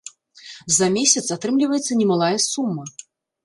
За месяц атрымліваецца немалая сума.